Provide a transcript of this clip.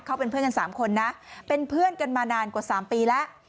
เขาเป็นเพื่อนกัน๓คนนะเป็นเพื่อนกันมานานกว่า๓ปีแล้ว